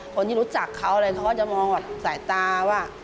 คนที่รู้จักเขาอะไรเขาก็จะมองแบบสายตาว่า